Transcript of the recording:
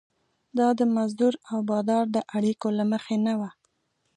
دا د مزدور او بادار د اړیکو له مخې نه وه.